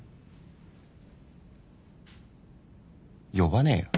呼ばねえよ。